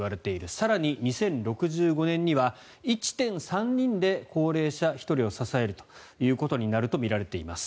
更に、２０６５年には１．３人で高齢者１人を支えるということになるとみられています。